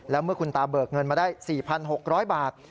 แล้วเมื่อคุณตาเบิกเงินมาได้๔๖๐๐บาท